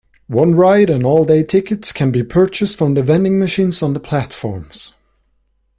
One-ride and all-day tickets can be purchased from vending machines on the platforms.